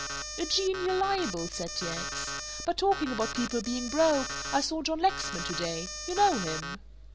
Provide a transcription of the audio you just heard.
"A genial libel," said T. X., "but talking about people being broke, I saw John Lexman to day you know him!"